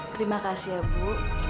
terima kasih ibu